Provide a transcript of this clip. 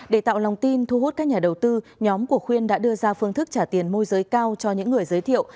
để tạo lòng tin thu hút các nhà đầu tư nhóm của khuyên đã đưa ra phương thức trả tiền môi giới cao cho những người giới thiệu